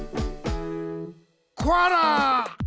コアラ！